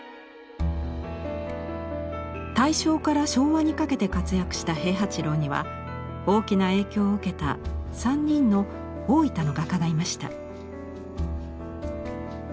大正から昭和にかけて活躍した平八郎には大きな影響を受けた３人の大分の画家がいました。